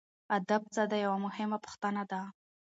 ادب څه دی یوه مهمه پوښتنه ده.